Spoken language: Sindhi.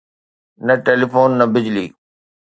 نه ٽيليفون، نه بجلي.